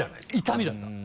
痛みだった。